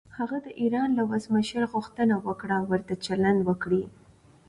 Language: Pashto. هغه د ایران له ولسمشر غوښتنه وکړه ورته چلند وکړي.